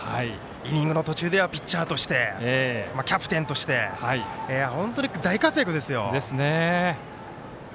イニングの途中ではピッチャーとしてキャプテンとして本当に大活躍ですよ。